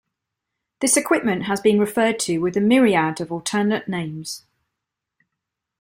This equipment has been referred to with a myriad of alternate names.